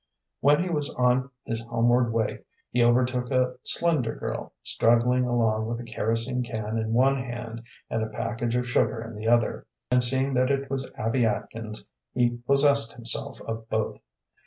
When he was on his homeward way he overtook a slender girl struggling along with a kerosene can in one hand and a package of sugar in the other, and, seeing that it was Abby Atkins, he possessed himself of both.